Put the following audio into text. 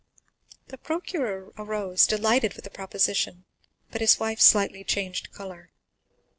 The procureur arose, delighted with the proposition, but his wife slightly changed color.